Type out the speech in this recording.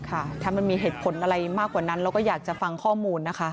ค่ะถ้ามันมีเหตุผลอะไรมากกว่านั้นเราก็อยากจะฟังข้อมูลนะคะ